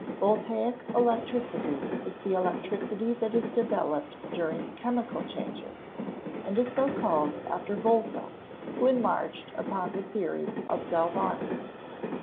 _ Voltaic electricity is the electricity that is developed during chemical changes, and is so called after Volta, who enlarged upon the theory of Galvani.